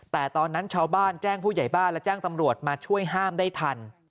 แต่ตอนนั้นชาวบ้านแจ้งผู้ใหญ่บ้านและแจ้งตำรวจมาช่วยห้ามได้ทัน